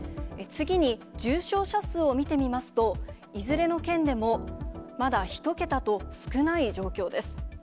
次に重症者数を見てみますと、いずれの県でもまだ１桁と少ない状況です。